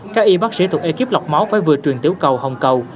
các y bác sĩ thuộc ekip lọc máu phải vừa truyền tiểu cầu hồng cầu